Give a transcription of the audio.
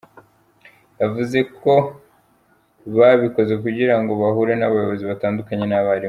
Yavuze ko babikoze kugira ngo bahure n’abayobozi batandukanye n’abarimu.